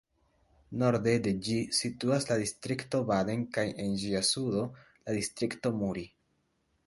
Norde de ĝi situas la distrikto Baden kaj en ĝia sudo la distrikto Muri.